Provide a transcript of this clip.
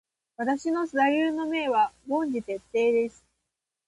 私の座右の銘は凡事徹底です。